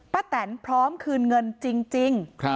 แตนพร้อมคืนเงินจริง